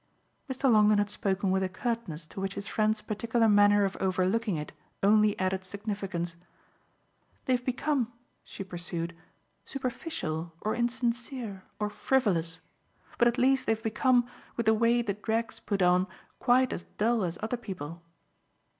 Mr. Longdon had spoken with a curtness to which his friend's particular manner of overlooking it only added significance. "They've become," she pursued, "superficial or insincere or frivolous, but at least they've become, with the way the drag's put on, quite as dull as other people."